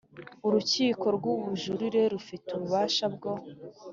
Urukiko rw Ubujurire rufite ububasha bwo